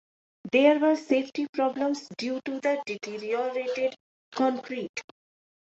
There were safety problems due to the deteriorated concrete.